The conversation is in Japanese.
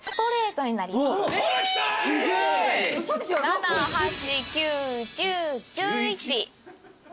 ７８９１０１１の。